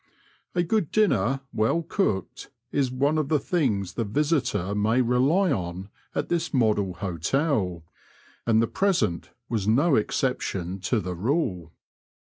A good dinner well cooked is one of the things the visitor may rely on at this model hotel, and the preseuD was no exception to the rule.